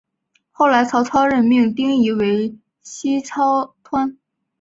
后来曹操任命丁仪为西曹掾。